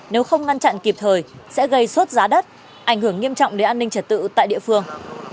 nếu không ngăn chặn kịp thời sẽ gây sốt giá đất ảnh hưởng nghiêm trọng đến an ninh trật tự tại địa phương